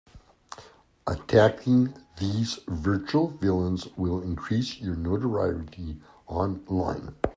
Attacking these virtual villains will increase your notoriety online.